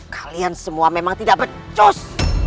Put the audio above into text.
kalian semua memang tidak becos